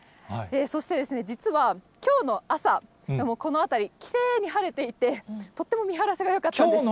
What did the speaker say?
そして、実はきょうの朝、この辺り、きれいに晴れていて、とっても見晴らしがよかったんです。